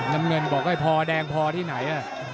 น้ำเงินบอกให้พอแดงพอที่ไหน